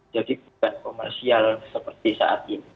jadi bukan komersial seperti saat ini